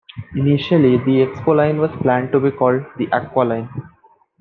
Initially, the Expo Line was planned to be called the "Aqua Line".